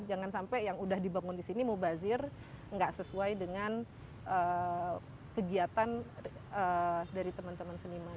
jangan sampai yang udah dibangun di sini mubazir nggak sesuai dengan kegiatan dari teman teman seniman